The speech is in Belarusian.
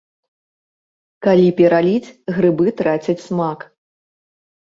Калі пераліць, грыбы трацяць смак.